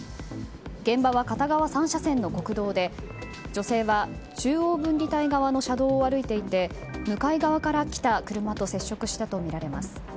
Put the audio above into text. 現場は片側３車線の国道で女性は中央分離帯側の車道を歩いていて向かい側から来た車と接触したとみられます。